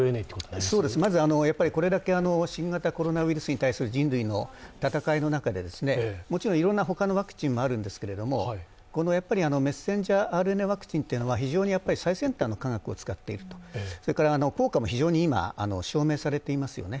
まず、これだけ新型コロナウイルスに対する人類の闘いの中で、いろんなほかのワクチンもあるんですけどメッセンジャーＲＮＡワクチンというのは、非常に最先端の化学を使っているそれから効果も非常に今、証明されていますよね。